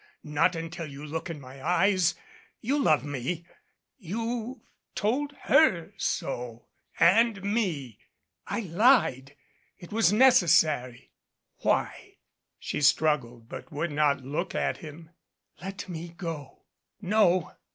Not until you look in my eyes. You love me. You've told her so and me " "I lied. It was necessary " "Why?" She struggled, but would not look at him. "Let me go." "No.